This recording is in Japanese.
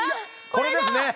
これですね